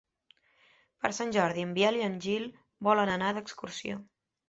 Per Sant Jordi en Biel i en Gil volen anar d'excursió.